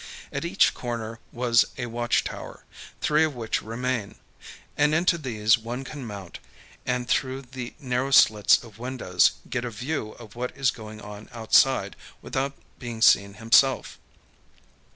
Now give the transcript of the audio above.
At each corner was a watch tower, three of which remain; and into these one can mount, and through the narrow slits of windows get a view of what is going on outside without being seen himself.